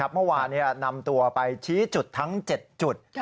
เมื่อวานนำตัวไปชี้จุดทั้ง๗จุด